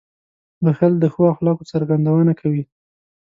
• بښل د ښو اخلاقو څرګندونه کوي.